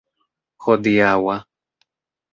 hodiaŭa